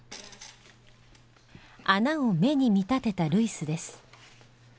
穴を目に見立てたルイスです。